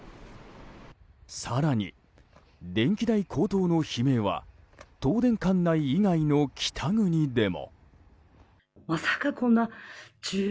更に、電気代高騰の悲鳴は東電管内以外の北国でも。